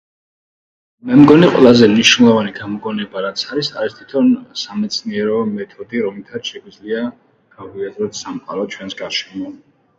მე მგონი ყველაზე მნიშვნელოვანი გამოგონება რაც არის, არის თვითონ სამეცნიერო მეთოდი რომლითაც შეგვიძლია გავიაზროთ სამყარო ჩვენს გარშემო.